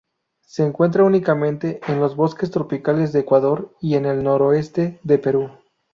Se encuentra únicamente en los bosques tropicales de Ecuador y el noroeste de Perú.